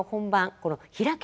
この「披き」